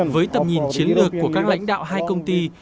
với tầm nhìn chiến lược của các lãnh đạo hai công ty